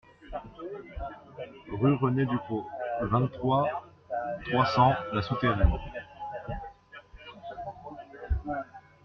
Rue René Ducros, vingt-trois, trois cents La Souterraine